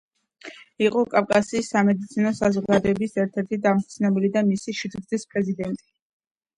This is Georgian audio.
იყო კავკასიის სამედიცინო საზოგადოების ერთ-ერთი დამფუძნებელი და მისი შვიდგზის პრეზიდენტი.